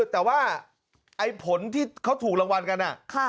แต่ว่าไอ้ผลที่เขาถูกรางวัลกัน